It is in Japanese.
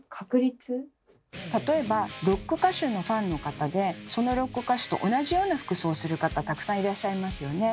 例えばロック歌手のファンの方でそのロック歌手と同じような服装をする方たくさんいらっしゃいますよね。